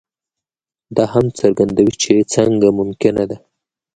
دا هم څرګندوي چې څنګه ممکنه ده.